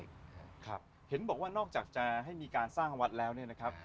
ครับเห็นบอกว่านอกจากจะให้มีการสร้างวัดแล้วเนี่ยนะครับ